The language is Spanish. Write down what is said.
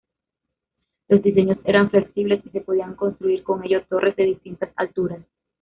Los diseños eran flexibles y se podían construir con ellos torres de distintas alturas.